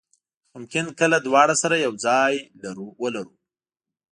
ممکن کله دواړه سره یو ځای ولرو.